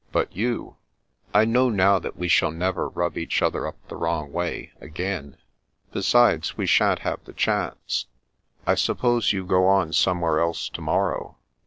But you "" I know now that we shall never rub each other up the wrong way — again. Besides, we shan't have the chance. I suppose you go on somewhere else to morrow